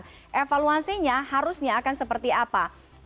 jadi informasinya harusnya akan seperti apa